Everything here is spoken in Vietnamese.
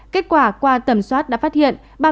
kết quả qua tầm soát đã phát hiện